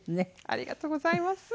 ありがとうございます。